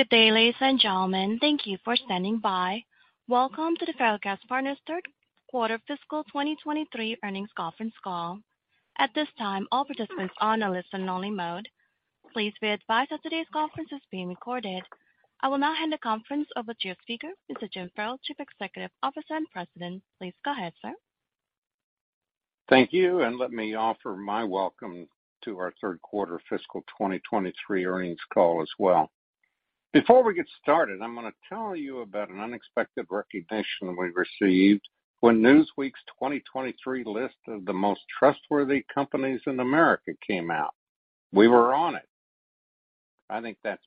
Good day, ladies and gentlemen. Thank you for standing by. Welcome to the Ferrellgas Partners Q3 fiscal 2023 earnings conference call. At this time, all participants are on a listen only mode. Please be advised that today's conference is being recorded. I will now hand the conference over to your speaker, Mr. Jim Ferrell, Chief Executive Officer and President. Please go ahead, sir. Thank you. Let me offer my welcome to our Q3 fiscal 2023 earnings call as well. Before we get started, I'm gonna tell you about an unexpected recognition we received when Newsweek's 2023 list of the Most Trustworthy Companies in America came out. We were on it! I think that's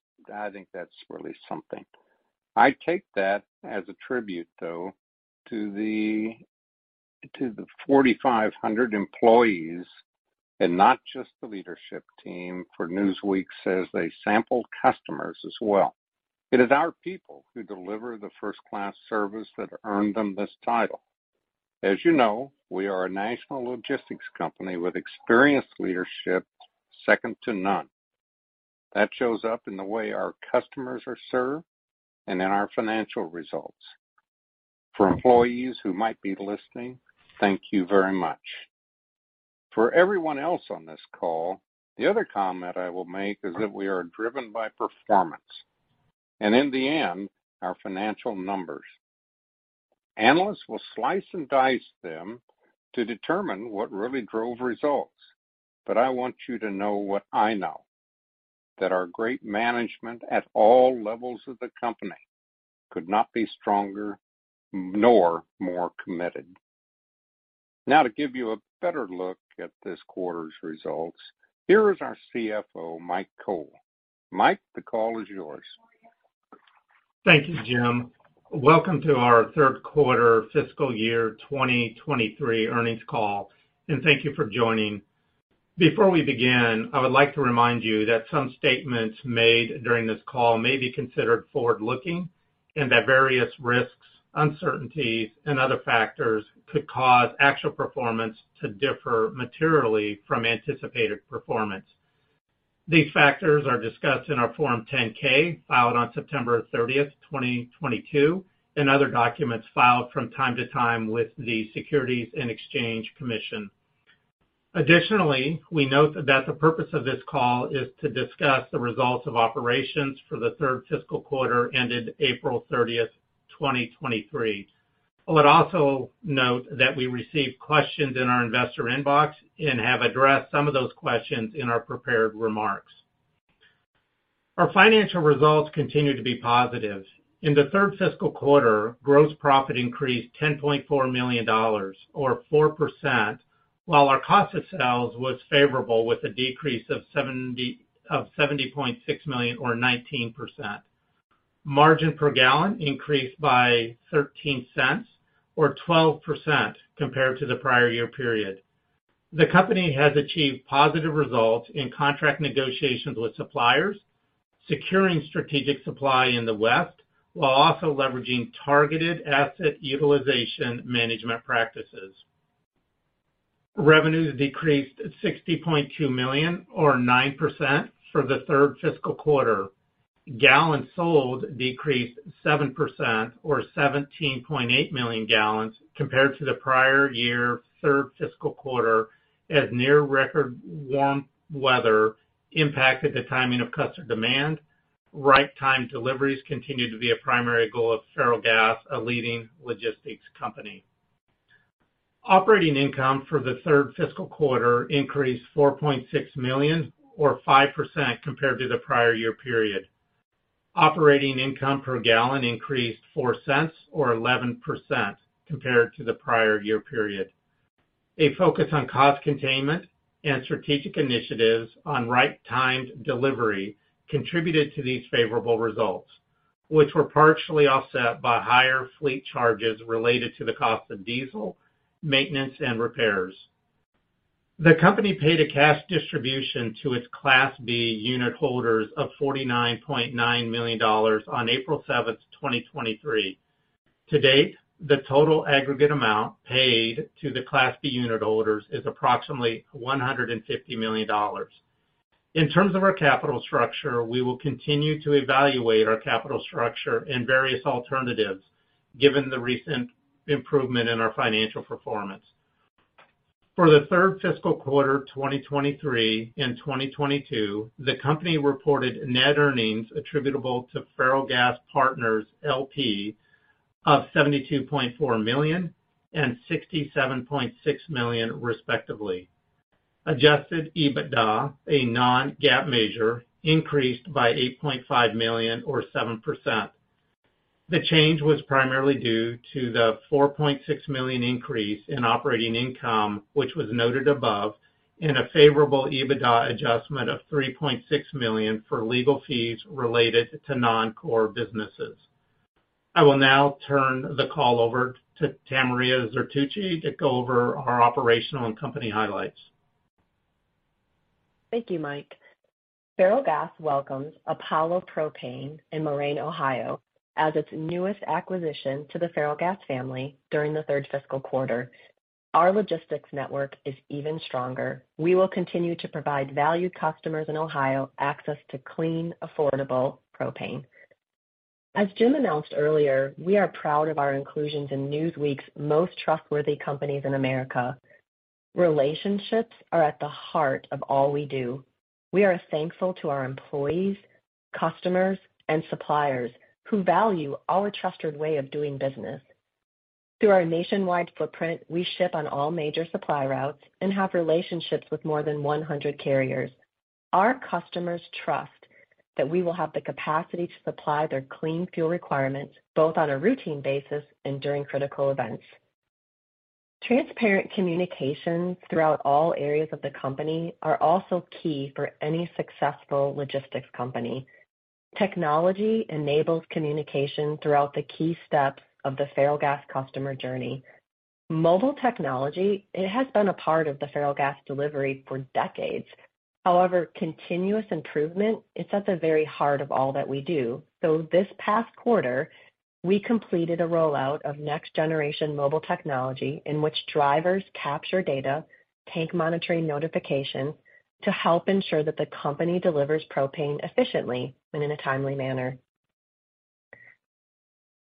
really something. I take that as a tribute, though, to the 4,500 employees and not just the leadership team, for Newsweek says they sampled customers as well. It is our people who deliver the first-class service that earned them this title. As you know, we are a national logistics company with experienced leadership, second to none. That shows up in the way our customers are served and in our financial results. For employees who might be listening, thank you very much. For everyone else on this call, the other comment I will make is that we are driven by performance, in the end, our financial numbers. Analysts will slice and dice them to determine what really drove results. I want you to know what I know, that our great management at all levels of the company could not be stronger nor more committed. To give you a better look at this quarter's results, here is our CFO, Mike Cole. Mike, the call is yours. Thank you, Jim. Welcome to our Q3 fiscal year 2023 earnings call. Thank you for joining. Before we begin, I would like to remind you that some statements made during this call may be considered forward-looking, and that various risks, uncertainties, and other factors could cause actual performance to differ materially from anticipated performance. These factors are discussed in our Form 10-K, filed on September 30th, 2022, and other documents filed from time to time with the Securities and Exchange Commission. Additionally, we note that the purpose of this call is to discuss the results of operations for the Q3 fiscal, ended April 30th, 2023. I would also note that we received questions in our investor inbox and have addressed some of those questions in our prepared remarks. Our financial results continued to be positive. In the Q3 fiscal, gross profit increased $10.4 million, or 4%, while our cost of sales was favorable with a decrease of $70.6 million, or 19%. Margin per gallon increased by $0.13, or 12% compared to the prior year period. The company has achieved positive results in contract negotiations with suppliers, securing strategic supply in the West, while also leveraging targeted asset utilization management practices. Revenues decreased $60.2 million, or 9% for the Q3 fiscal. Gallons sold decreased 7% or 17.8 million gallons compared to the prior year Q3 fiscal, as near record warm weather impacted the timing of customer demand. Right-timed deliveries continued to be a primary goal of Ferrellgas, a leading logistics company. Operating income for the Q3 fiscal increased $4.6 million, or 5% compared to the prior year period. Operating income per gallon increased $0.04 or 11% compared to the prior year period. A focus on cost containment and strategic initiatives on right-timed delivery contributed to these favorable results, which were partially offset by higher fleet charges related to the cost of diesel, maintenance, and repairs. The company paid a cash distribution to its Class B unitholders of $49.9 million on April 7, 2023. To date, the total aggregate amount paid to the Class B unitholders is approximately $150 million. In terms of our capital structure, we will continue to evaluate our capital structure and various alternatives given the recent improvement in our financial performance. For the Q3 fiscal, 2023 and 2022, the company reported net earnings attributable to Ferrellgas Partners, L.P., of $72.4 million and $67.6 million, respectively. Adjusted EBITDA, a non-GAAP measure, increased by $8.5 million or 7%. The change was primarily due to the $4.6 million increase in operating income, which was noted above, and a favorable EBITDA adjustment of $3.6 million for legal fees related to non-core businesses. I will now turn the call over to Tamria Zertuche to go over our operational and company highlights. Thank you, Mike. Ferrellgas welcomes Apollo Propane in Moraine, Ohio, as its newest acquisition to the Ferrellgas family during the Q3 fiscal quarter. Our logistics network is even stronger. We will continue to provide valued customers in Ohio access to clean, affordable propane. As Jim announced earlier, we are proud of our inclusions in Newsweek's Most Trustworthy Companies in America. Relationships are at the heart of all we do. We are thankful to our employees, customers, and suppliers who value our trusted way of doing business. Through our nationwide footprint, we ship on all major supply routes and have relationships with more than 100 carriers. Our customers trust that we will have the capacity to supply their clean fuel requirements, both on a routine basis and during critical events. Transparent communications throughout all areas of the company are also key for any successful logistics company. Technology enables communication throughout the key steps of the Ferrellgas customer journey. Mobile technology, it has been a part of the Ferrellgas delivery for decades. Continuous improvement is at the very heart of all that we do. This past quarter, we completed a rollout of next-generation mobile technology in which drivers capture data, tank monitoring notification, to help ensure that the company delivers propane efficiently and in a timely manner.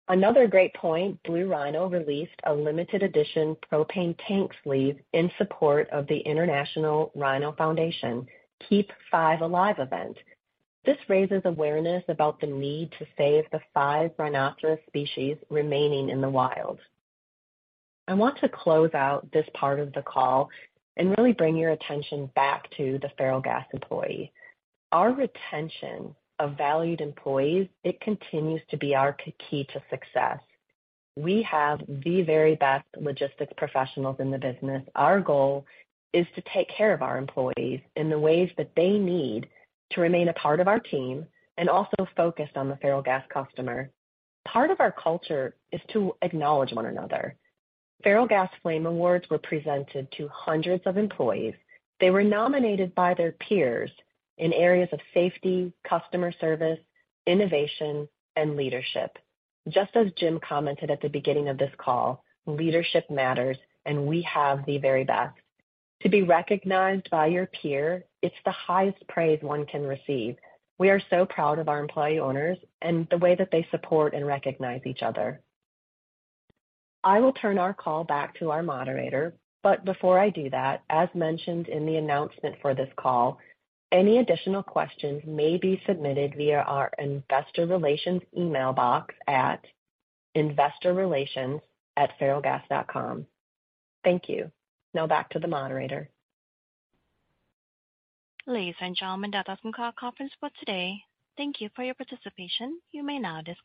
Another great point, Blue Rhino released a limited edition propane tank sleeve in support of the International Rhino Foundation, Keep Five Alive event. This raises awareness about the need to save the five rhinoceros species remaining in the wild. I want to close out this part of the call and really bring your attention back to the Ferrellgas employee. Our retention of valued employees, it continues to be our key to success. We have the very best logistics professionals in the business. Our goal is to take care of our employees in the ways that they need to remain a part of our team and also focused on the Ferrellgas customer. Part of our culture is to acknowledge one another. Ferrellgas Flame Awards were presented to hundreds of employees. They were nominated by their peers in areas of safety, customer service, innovation, and leadership. Just as Jim commented at the beginning of this call, leadership matters, and we have the very best. To be recognized by your peer, it's the highest praise one can receive. We are so proud of our employee owners and the way that they support and recognize each other. I will turn our call back to our moderator, but before I do that, as mentioned in the announcement for this call, any additional questions may be submitted via our Investor Relations email box at InvestorRelations@ferrellgas.com. Thank you. Back to the moderator. Ladies and gentlemen, that does conclude our conference for today. Thank you for your participation. You may now disconnect.